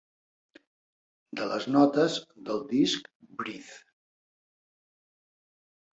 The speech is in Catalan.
De les notes del disc "Breathe".